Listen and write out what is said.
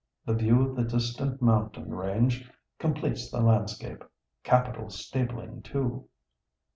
The view of the distant mountain range completes the landscape. Capital stabling too."